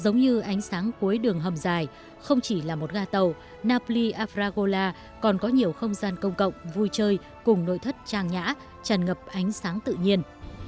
giống như ánh sáng cuối đường hầm dài không chỉ là một ga tàu napli afragola còn có nhiều không gian công cộng vui chơi cùng nội thất trang nhã tràn ngập ánh sáng tự nhiên